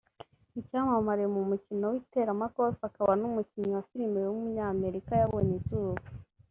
icyamamare mu mukino w’iteramakofi akaba n’umukinnyi wa filime w’umunyamerika yabonye izuba